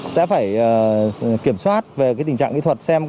sẽ phải kiểm soát về tình trạng kỹ thuật và cũng như bảo vệ môi trường của phương tiện